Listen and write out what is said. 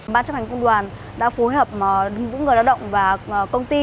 ban chấp hành công đoàn đã phối hợp những người lao động và công ty